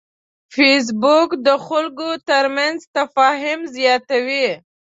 فېسبوک د خلکو ترمنځ تفاهم زیاتوي